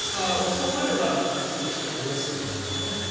そうなれば過失立証やりやすいんですけどね。